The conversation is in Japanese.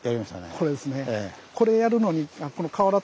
これですね。